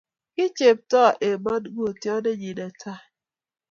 Ki chepto eng manongotiondenyi netai